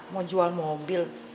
mau jual mobil